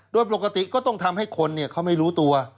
โดยปกติก็ต้องทำให้คนเขาไม่รู้ตัว